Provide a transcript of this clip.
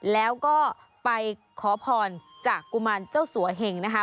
แล้วก็ไปขอพรจากกุมารเจ้าสัวเหงนะคะ